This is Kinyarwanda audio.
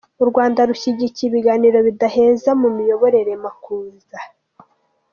U Rwanda rushyigikiye ibiganiro bidaheza mu miyoborere_Makuza